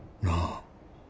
なあ。